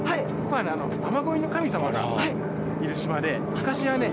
雨乞いの神様がいる島で昔はね